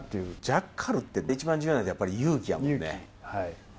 ジャッカルって、一番重要なのは、勇気、はい。